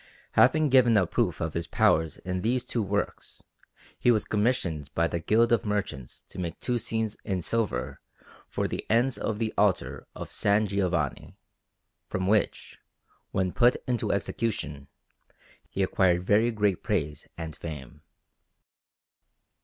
Having given a proof of his powers in these two works, he was commissioned by the Guild of Merchants to make two scenes in silver for the ends of the altar of S. Giovanni, from which, when put into execution, he acquired very great praise and fame.